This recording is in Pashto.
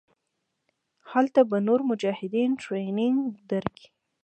هلته به نور مجاهدين ټرېننګ دركي.